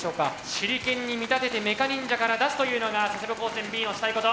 手裏剣に見立ててメカ忍者から出すというのが佐世保高専Ｂのしたいこと。